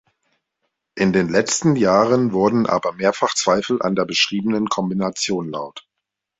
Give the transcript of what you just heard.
In den letzten Jahren wurden aber mehrfach Zweifel an der beschriebenen Kombination laut.